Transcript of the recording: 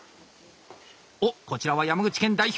おっこちらは山口県代表。